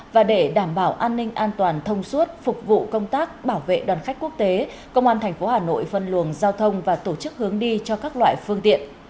và để đảm bảo an ninh an toàn thông suốt phục vụ công tác bảo vệ đoàn khách quốc tế công an tp hà nội phân luồng giao thông và tổ chức hướng đi cho các loại phương tiện